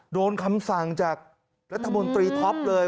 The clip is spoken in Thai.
คำสั่งจากรัฐมนตรีท็อปเลย